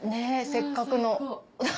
せっかくの。